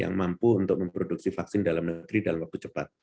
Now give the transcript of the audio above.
yang mampu untuk memproduksi vaksin dalam negeri dalam waktu cepat